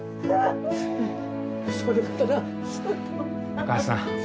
お母さん。